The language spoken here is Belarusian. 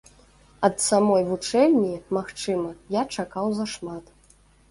Ад самой вучэльні, магчыма, я чакаў зашмат.